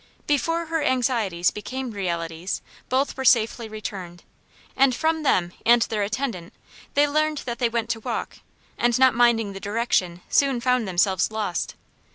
Before her anxieties became realities, both were safely returned, and from them and their attendant they learned that they went to walk, and not minding the direction soon found themselves lost.